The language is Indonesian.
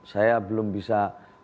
saya belum bisa